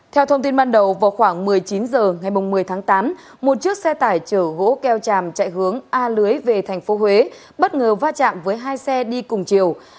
theo thông tin ban đầu vào khoảng một mươi chín h ngày một mươi tháng tám một chiếc xe tải chở gỗ keo tràm chạy hướng a lưới về tp huế bất ngờ va chạm với hai xe đi cùng chiều